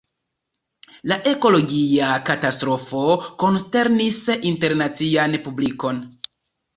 La ekologia katastrofo konsternis internacian publikon.